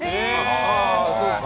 ◆ああ、そうか。